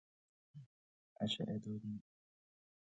اشعه دادن